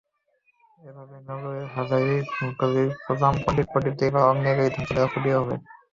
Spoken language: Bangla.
এভাবেই নগরের হাজারী গলির পূজামণ্ডপটিতে এবার আগ্নেয়গিরির ধ্বংসলীলা ফুটিয়ে তোলা হবে।